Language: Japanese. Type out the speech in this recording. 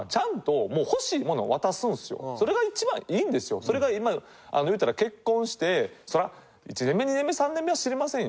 それがまあ言うたら結婚してそら１年目２年目３年目は知りませんよ。